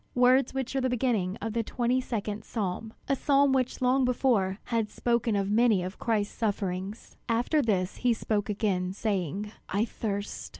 words which are the beginning of the twenty second psalm, a psalm which long before had spoken of many of Christ's sufferings. After this he spoke again, saying, "I thirst!"